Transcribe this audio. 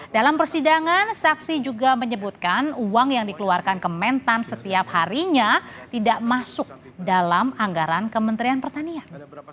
dalam persidangan saksi juga menyebutkan uang yang dikeluarkan kementan setiap harinya tidak masuk dalam anggaran kementerian pertanian